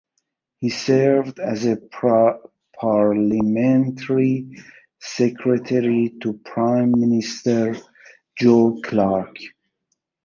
He served as Parliamentary Secretary to Prime Minister Joe Clark.